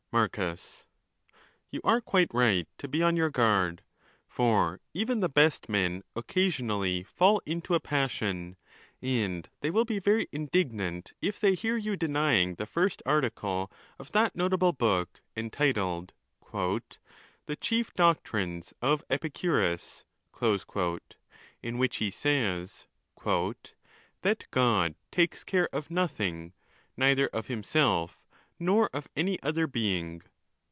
| Marcus.—You are quite right to be on your guard; for even the best men occasionally fall into a passion, and they will be very indignant if they hear you denying the first article of that notable book, entitled "The Chief Doctrines of Epicurus," in which he says "that God takes care of nothing, — neither of himself nor of any other being